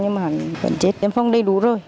nhưng mà vẫn chết em không đầy đủ rồi